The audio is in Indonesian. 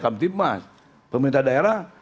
kaptip mas pemerintah daerah